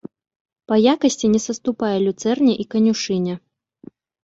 Па якасці не саступае люцэрне і канюшыне.